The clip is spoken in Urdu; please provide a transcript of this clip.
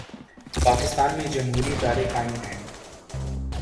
پاکستان میں جمہوری ادارے قائم ہیں۔